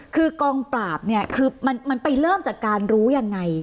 คือกองปราบเนี่ยคือมันไปเริ่มจากการรู้ยังไง